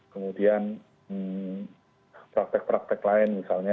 kemudian praktek praktek lain misalnya